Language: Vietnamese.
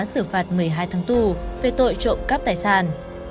sử phạt một mươi hai tháng tù về tội trộm cấp tài sản